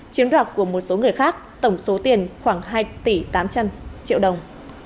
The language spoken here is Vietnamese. chiếm đoạt của một số người khác tổng số tiền khoảng hai tỷ tám trăm linh triệu đồng